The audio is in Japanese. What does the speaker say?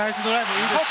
いいですね。